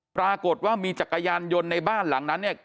ปรากฏว่ามีจักรยานยนต์ในบ้านหลังนั้นเนี่ย